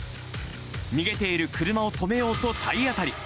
逃げている車を止めようと体当たり。